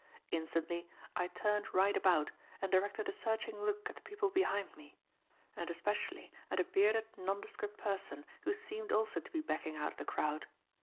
Instantly, I turned right about and directed a searching look at the people behind me, and especially at a bearded, nondescript person who seemed also to be backing out of the crowd.